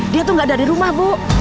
dia tuh gak ada di rumah bu